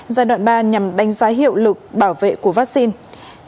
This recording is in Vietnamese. giai đoạn ba nhằm đánh giá hiệu lực bảo vệ của vaccine